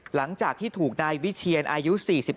หลังจากที่ถูกนายวิเชียนอายุ๔๒